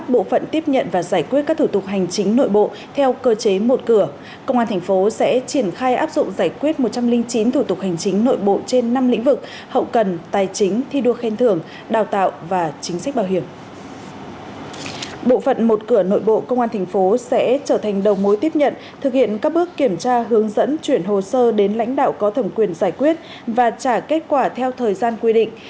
bộ phận một cửa nội bộ công an thành phố sẽ trở thành đầu mối tiếp nhận thực hiện các bước kiểm tra hướng dẫn chuyển hồ sơ đến lãnh đạo có thẩm quyền giải quyết và trả kết quả theo thời gian quy định